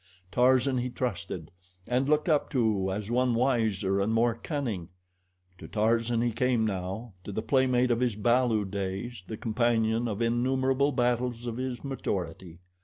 Tarzan he trusted and looked up to as one wiser and more cunning. To Tarzan he came now to the playmate of his balu days, the companion of innumerable battles of his maturity.